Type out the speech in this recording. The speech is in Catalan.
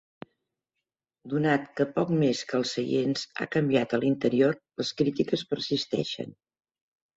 Donat que poc més que els seients ha canviat a l'interior, les crítiques persisteixen.